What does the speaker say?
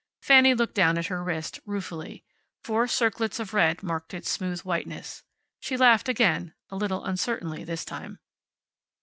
Fanny looked down at her wrist ruefully. Four circlets of red marked its smooth whiteness. She laughed again, a little uncertainly this time.